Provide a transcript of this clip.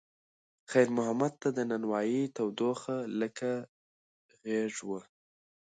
خیر محمد ته د نانوایۍ تودوخه لکه غېږ وه.